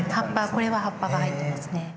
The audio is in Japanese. これは葉っぱが入ってますね。